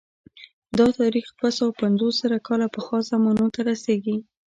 دا تاریخ دوه سوه پنځوس زره کاله پخوا زمانو ته رسېږي